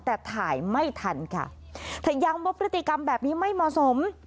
แต่ถ่ายไม่ทันค่ะเธอย้ำว่าพฤติกรรมแบบนี้ไม่เหมาะสม